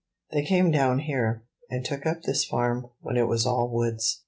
They came down here, and took up this farm when it was all woods.